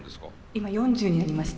今４０になりました。